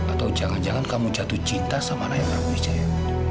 atau jangan jangan kamu jatuh cinta sama anaknya prabu wijaya